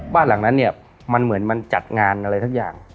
บ้านหลังนั้นเนี่ยมันเหมือนมันจัดงานอะไรสักอย่าง